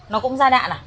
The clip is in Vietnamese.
nó cũng ra đạn à